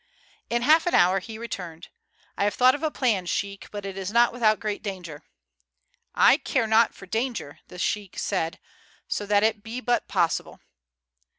In half an hour he returned. "I have thought of a plan, sheik, but it is not without great danger." "I care not for danger," the sheik said, "so that it be but possible."